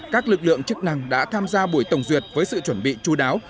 các lực lượng chức năng đã tham gia buổi tổng duyệt với sự chuẩn bị chú đáo